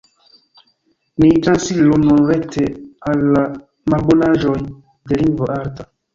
Ni transiru nun rekte al la malbonaĵoj de lingvo arta.